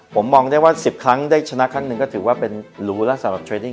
ผมมองได้ว่า๑๐ครั้งได้ชนะครั้งหนึ่งก็ถือว่าเป็นรู้แล้วสำหรับเทรดิ้ง